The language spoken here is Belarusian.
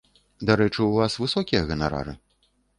Дарэчы, у вас высокія ганарары?